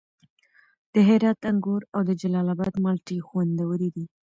د هرات انګور او د جلال اباد مالټې خوندورې دي.